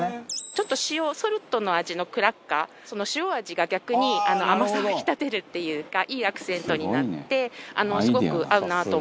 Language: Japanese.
ちょっと塩ソルトの味のクラッカーその塩味が逆に甘さを引き立てるっていうかいいアクセントになってすごく合うなと思ってます。